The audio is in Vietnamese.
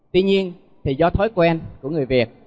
tuy nhiên thì do thói quen của người việt